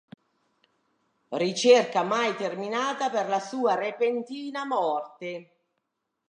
Ricerca mai terminata per la sua repentina morte.